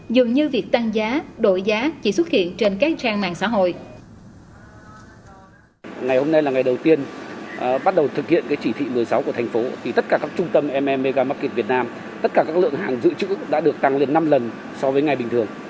dường như việc tăng giá đổi giá chỉ xuất hiện trên các trang mạng xã hội